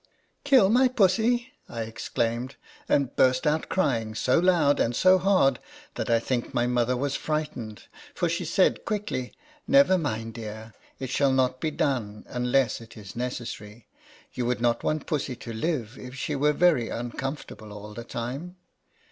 " Kill my Pussy !" I exclaimed, and burst out crying, so loud and so hard that I think my mother was frightened ; for she said quickly :" Never mind, dear ; it shall not be done, unless it is necessary. You would not want Pussy to live, if she were very uncomfortable all the time."